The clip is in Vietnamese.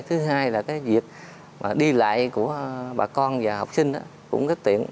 thứ hai là cái việc đi lại của bà con và học sinh cũng rất tiện